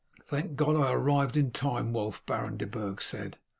"Thank God I arrived in time, Wulf," Baron de Burg said.